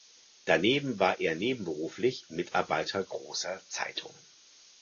Daneben war er nebenberuflich Mitarbeiter großer Zeitungen.